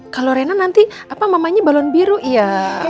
kalau rena nanti mamanya balon biru ya